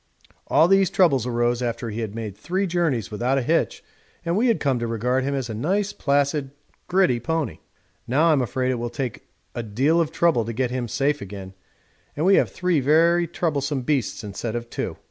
All these troubles arose after he had made three journeys without a hitch and we had come to regard him as a nice, placid, gritty pony. Now I'm afraid it will take a deal of trouble to get him safe again, and we have three very troublesome beasts instead of two.